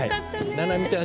ななみちゃん